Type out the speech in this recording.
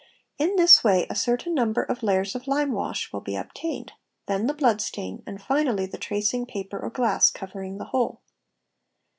In this way a certain number of layers of lime wash will be obtained, then the blood stain, and _ finally the tracing paper or glass covering the whole.